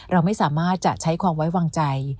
เราไม่สามารถจะใช้ความไว้วางใจ